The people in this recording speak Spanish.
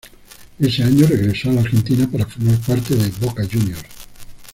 Ese año regresó a la Argentina para formar parte de Boca Juniors.